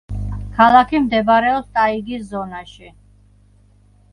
ქალაქი მდებარეობს ტაიგის ზონაში.